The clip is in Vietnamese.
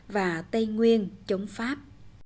và tây nguyên chống pháp